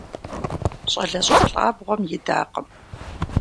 Щӏалэщӏэ плӏабгъуэм идакъым.